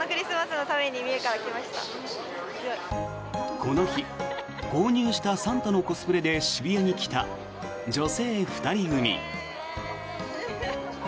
この日購入したサンタのコスプレで渋谷に来た女性２人組。